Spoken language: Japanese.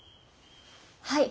はい。